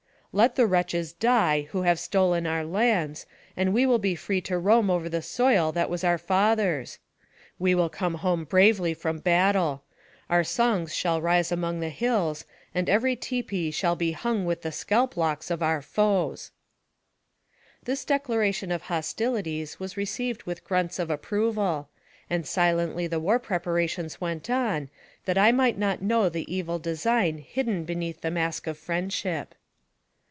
" Let the wretches die, who have stolen our lands, and we will be free to roam over the soil that was our fathers'. We will come home bravely from battle AMONG THE SIOUX INDIANS. 203 Our songs shall rise among the hills, and every tipi shall be hung with the scalp locks of our foes." This declaration of hostilities was received with grunts of approval; and silently the war preparations went on, that I might not know the evil design hidden beneath the mask of friendship.